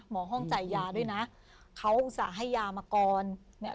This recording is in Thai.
ห้องจ่ายยาด้วยนะเขาอุตส่าห์ให้ยามาก่อนเนี่ย